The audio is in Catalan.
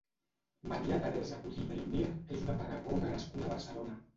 Maria Teresa Codina i Mir és una pedagoga nascuda a Barcelona.